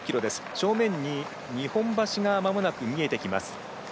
正面に日本橋がまもなく見えてきます。